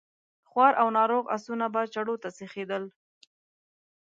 خوار او ناروغ آسونه به چړو ته سيخېدل.